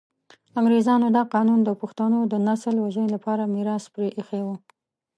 انګریزانو دا قانون د پښتنو د نسل وژنې لپاره میراث پرې ایښی وو.